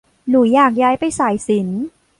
หนูอยากย้ายไปสายศิลป์